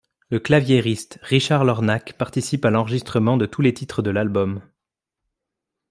Le claviériste Richard Lornac participe à l'enregistrement de tous les titres de l'album.